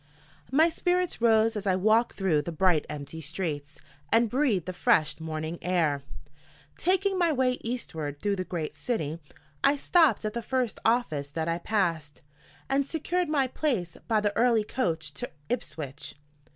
MY spirits rose as I walked through the bright empty streets, and breathed the fresh morning air. Taking my way eastward through the great city, I stopped at the first office that I passed, and secured my place by the early coach to Ipswich.